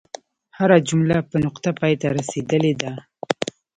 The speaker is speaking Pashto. هره جمله په نقطه پای ته رسیدلې ده.